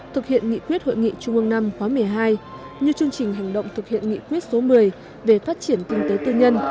thực hiện nghị quyết hội nghị trung ương năm khóa một mươi hai như chương trình hành động thực hiện nghị quyết số một mươi về phát triển kinh tế tư nhân